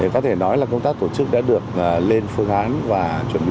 có thể nói là công tác tổ chức đã được lên phương án và chuẩn bị